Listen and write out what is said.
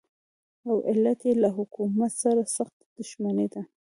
او علت یې له حکومت سره سخته دښمني ده.